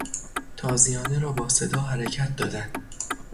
تازیانه را با صدا حرکت دادن